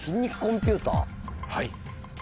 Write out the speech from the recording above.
はい。